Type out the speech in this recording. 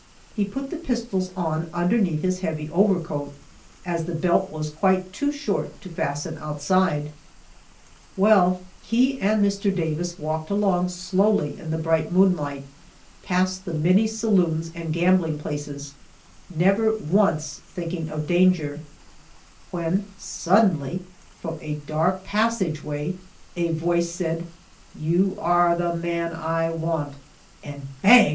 He put the pistols on underneath his heavy overcoat, as the belt was quite too short to fasten outside. Well, he and Mr. Davis walked along slowly in the bright moonlight past the many saloons and gambling places, never once thinking of danger, when suddenly from a dark passageway a voice said, "You are the man I want," and bang!